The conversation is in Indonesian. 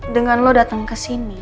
dengan lo dateng kesini